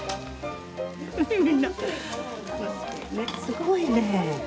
すごいね。